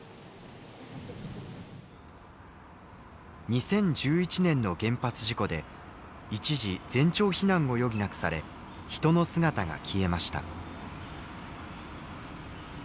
２０１１年の原発事故で一時全町避難を余儀なくされ人の姿が消えました。